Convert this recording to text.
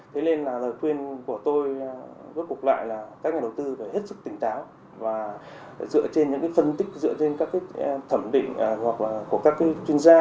thế nên lời khuyên của tôi góp cuộc lại là các nhà đầu tư phải hết sức tỉnh táo và dựa trên những phân tích dựa trên các thẩm định của các chuyên gia